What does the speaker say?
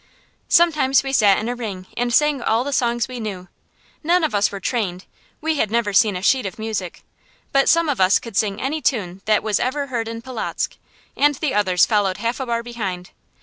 Sometimes we sat in a ring and sang all the songs we knew. None of us were trained, we had never seen a sheet of music but some of us could sing any tune that was ever heard in Polotzk, and the others followed half a bar behind.